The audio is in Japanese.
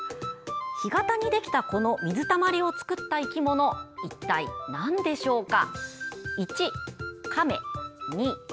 干潟にできた、この水たまりを作った生き物一体なんでしょうか？